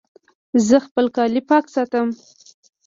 زه خپل کالي پاک ساتم